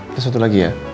lihat satu lagi ya